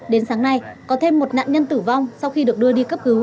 đến sáng nay có thêm một nạn nhân tử vong sau khi được đưa đi cấp cứu